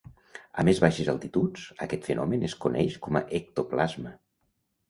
A més baixes altituds, aquest fenomen es coneix com a ectoplasma.